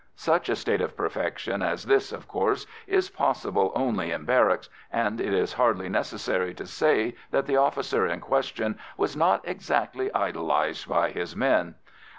Such a state of perfection as this, of course, is possible only in barracks, and it is hardly necessary to say that the officer in question was not exactly idolised by his men.